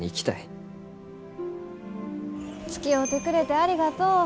つきおうてくれてありがとう。